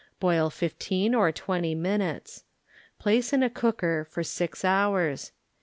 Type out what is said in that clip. Boil fifteen or twenty minutes. Place in a cooker for six hours.